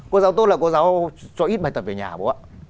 cô giáo tốt là cô giáo cho ít bài tập về nhà bố ạ